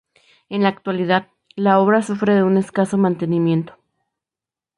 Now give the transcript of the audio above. En la actualidad, la obra sufre de un escaso mantenimiento.